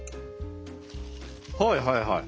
はいはいはい。